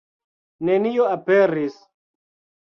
Nenio aperis.